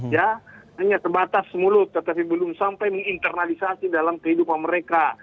ya hanya terbatas mulut tetapi belum sampai menginternalisasi dalam kehidupan mereka